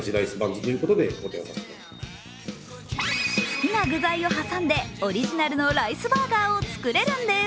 好きな具材を挟んでオリジナルのライスバーガーを作れるんです。